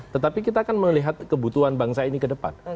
tetapi kita akan melihat kebutuhan bangsa ini ke depan